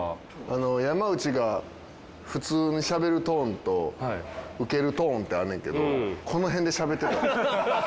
山内が普通にしゃべるトーンとウケるトーンってあんねんけどこの辺でしゃべってた。